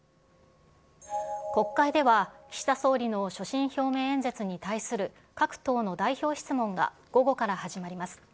国会では、岸田総理の所信表明演説に対する各党の代表質問が午後から始まります。